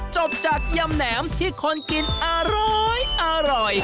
จบจากยำแหนมที่คนกินอร้อย